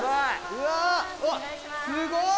うわあっすごい！